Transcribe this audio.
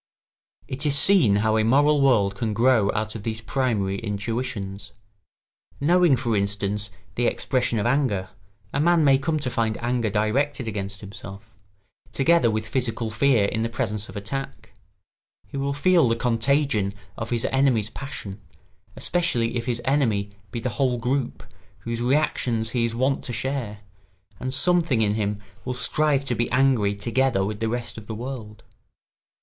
] It is see how a moral world can grow out of these primary intuitions. Knowing, for instance, the expression of anger, a man may come to find anger directed against himself; together with physical fear in the presence of attack, he will feel the contagion of his enemy's passion, especially if his enemy be the whole group whose reactions he is wont to share, and something in him will strive to be angry together with the rest of the world.